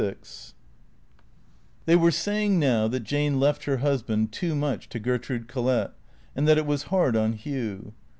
XLVI THEY were saying now that Jane left her husband too much to Gertrude Collett, and that it was hard on Hugh.